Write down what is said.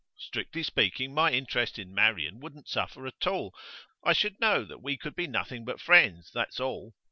Strictly speaking, my interest in Marian wouldn't suffer at all. I should know that we could be nothing but friends, that's all.